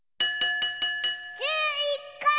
・１１かい！